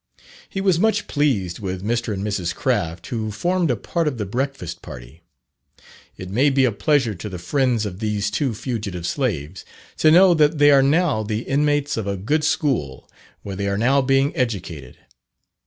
He was much pleased with Mr. and Mrs. Craft, who formed a part of the breakfast party. It may be a pleasure to the friends of these two fugitive slaves, to know that they are now the inmates of a good school where they are now being educated.